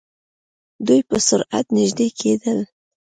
دوئ په سرعت نژدې کېدل.